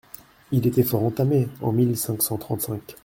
Il était fort entamé en mille cinq cent trente-cinq.